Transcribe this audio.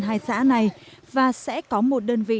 hai xã này và sẽ có một đơn vị